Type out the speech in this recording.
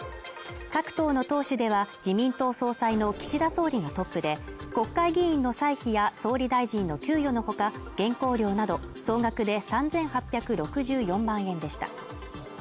各党の党首では、自民党総裁の岸田総理がトップで、国会議員の歳費や総理大臣の給与の他、原稿料など、総額で３８６４万円でした。